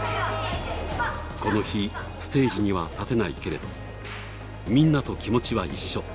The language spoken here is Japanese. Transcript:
この日ステージには立てないけどみんなと気持ちは一緒。